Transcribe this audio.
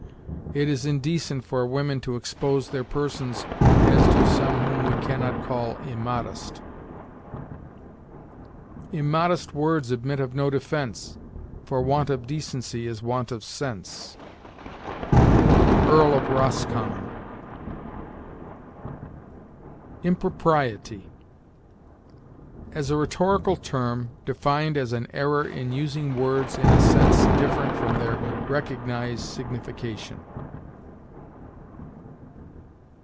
It is indecent for women to expose their persons as do some whom we can not call immodest. "Immodest words admit of no defense, For want of decency is want of sense." Earl of Roscommon. IMPROPRIETY. As a rhetorical term, defined as an error in using words in a sense different from their recognized signification.